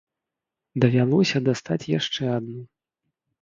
Давялося дастаць яшчэ адну.